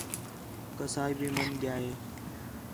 کسائی بھی مَن ڳِیا ہِے